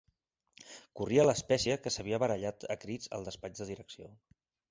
Corria l'espècie que s'havien barallat a crits al despatx de direcció.